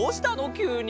きゅうに。